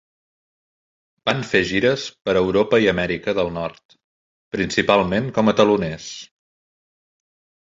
Van fer gires per Europa i Amèrica del Nord, principalment com a teloners.